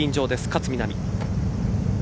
勝みなみ。